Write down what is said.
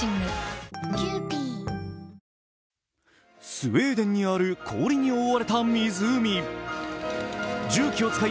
スウェーデンにある氷に覆われた湖。